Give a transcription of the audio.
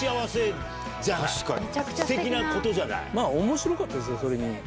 面白かったですよそれに。